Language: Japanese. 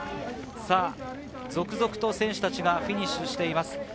続々と選手たちがフィニッシュしています。